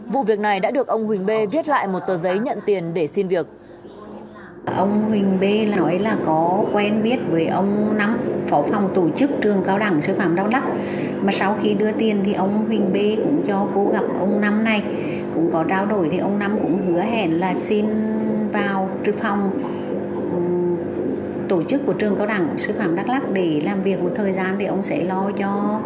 vụ việc này đã được ông huỳnh bê viết lại một tờ giấy nhận tiền để xin việc